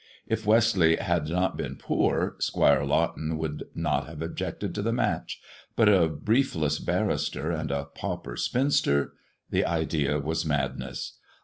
If Westleigh had not been poor, •^luire Lawton would not have objected to the match : but ' briefless barrister and a pauper spinster ?— the idea was '^^ness.